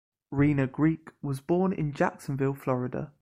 Rena Greek was born in Jacksonville, Florida.